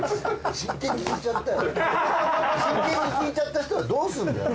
真剣に聞いちゃった人はどうするんだよ。